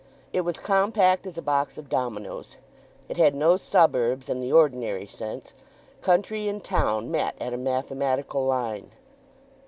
It was compact as a box of dominoes. It had no suburbs—in the ordinary sense. Country and town met at a mathematical line.